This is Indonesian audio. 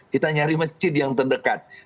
kita nyari masjid yang terdekat